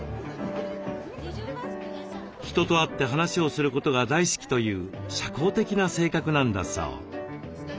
人と会って話をすることが大好きという社交的な性格なんだそう。